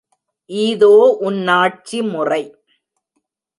ஈதோ உன் னைட்சிமுறை!